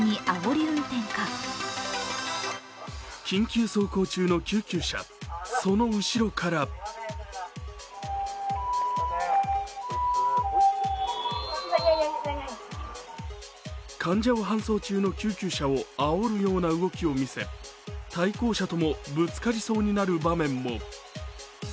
緊急走行中の救急車その後ろから患者を搬送中の救急車をあおるような動きを見せ対向車ともぶつかりそうになる場面も。